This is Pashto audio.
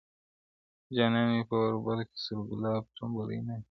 جانان مي په اوربل کي سور ګلاب ټومبلی نه دی-